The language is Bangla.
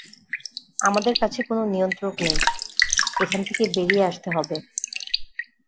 আমাদের কাছে কোন নিয়ন্ত্রক নেই, এখান থেকে বেরিয়ে আসতে হবে।